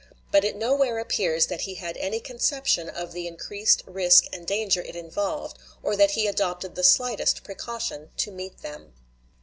But it nowhere appears that he had any conception of the increased risk and danger it involved, or that he adopted the slightest precaution to meet them.